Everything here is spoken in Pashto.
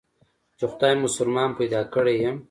چې خداى مسلمان پيدا کړى يم.